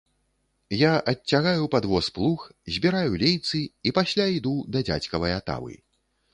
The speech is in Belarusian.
Я адцягаю пад воз плуг, збіраю лейцы і пасля іду да дзядзькавай атавы.